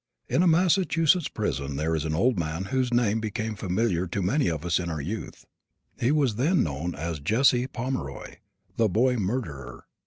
In a Massachusetts prison there is an old man whose name became familiar to many of us in our youth. He was then known as Jesse Pomeroy, the boy murderer.